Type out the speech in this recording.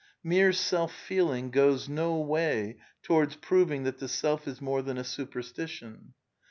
Mere self ^ ^feeling goes no way towards proving that the self is more than a superstition.